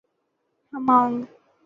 ہمانگ